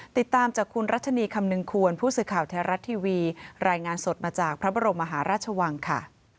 ติดตามจากคุณรัชนีคำนึงควรผู้สื่อข่าวไทยรัฐทีวีรายงานสดมาจากพระบรมมหาราชวังค่ะ